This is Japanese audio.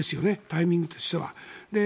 タイミングとしては。